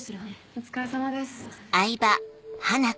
お疲れさまです。